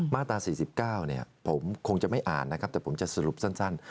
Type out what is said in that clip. มาตรา๔๙ผมคงจะไม่อ่านนะครับแต่ผมจะสรุปสั้น